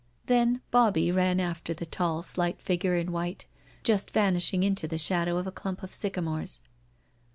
Then Bobbie ran after the tall, slight figure in white, just vanishing into the shadow of a clump of sycamores.